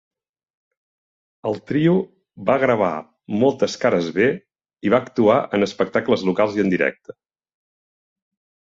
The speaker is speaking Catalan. El trio va gravar moltes cares B i va actuar en espectacles locals i en directe.